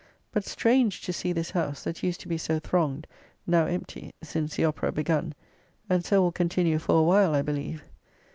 But strange to see this house, that used to be so thronged, now empty since the Opera begun; and so will continue for a while, I believe.